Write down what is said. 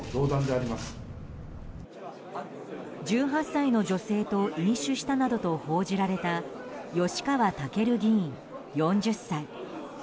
１８歳の女性と飲酒したなどと報じられた吉川赳議員、４０歳。